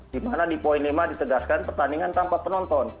di mana di poin lima ditegaskan pertandingan tanpa penonton